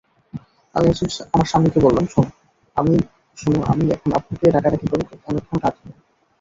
আমি আমার স্বামীকে বললাম, শোন আমি এখন আব্বুকে ডাকাডাকি করে অনেকক্ষণ কাঁদব।